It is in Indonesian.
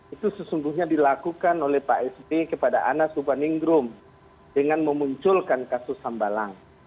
itu sesungguhnya dilakukan oleh pak sd kepada anas subhaningrum dengan memunculkan kasus hembalang